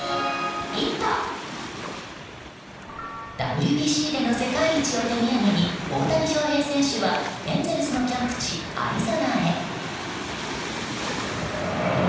ＷＢＣでの世界一を手土産に大谷翔平選手は、エンゼルスのキャンプ地、アリゾナへ。